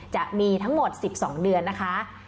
จะมีทั้งหมดสิบสองเดือนนะคะ